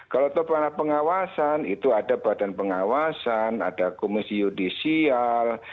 kalau pada pengawasan itu ada badan pengawasan ada komisi judicial